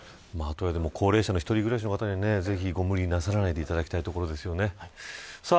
高齢者の一人暮らしの方はぜひ無理なさらずにいただきたいところです。